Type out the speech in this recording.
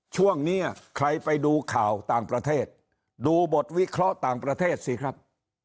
ช่วงนี้ใครไปดูข่าวต่างประเทศดูบทวิเคราะห์ต่างประเทศสิครับ